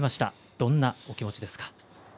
どんなお気持ちですか。